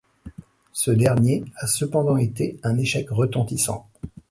Ce dernier a cependant été un échec retentissant.